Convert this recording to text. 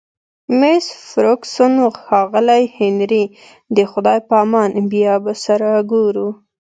مس فرګوسن: ښاغلی هنري، د خدای په امان، بیا به سره ګورو.